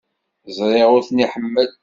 Ẓriɣ ur ten-iḥemmel.